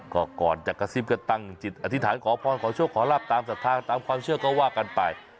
ก็ก่อนจะกระซิบก็ตั้งจิตอธิษฐานขอพรขอโชคขอรับตามศรัทธาตามความเชื่อก็ว่ากันไป